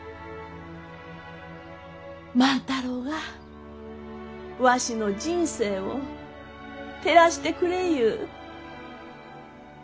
万太郎はわしの人生を照らしてくれゆう。